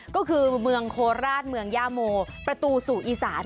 ก็คือเมืองโคราชเมืองย่าโมประตูสู่อีสาน